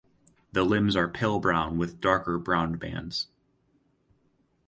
The limbs are pale brown with darker brown bands.